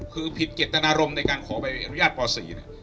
คือผิดเก็ตตนารมณ์ในการขอไปอนุญาตป๔น่ะ